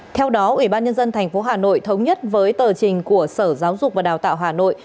theo đó ubnd tp hà nội thống nhất với tờ trình của sở giáo dục và đào tạo hà nội